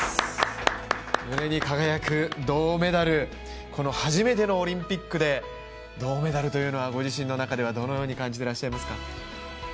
胸に輝く銅メダル、この初めてのオリンピックで銅メダルというのはご自身の中ではどのように感じていらっしゃいますか。